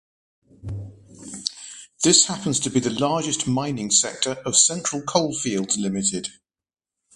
This happens to be the largest mining sector of Central Coalfields Limited.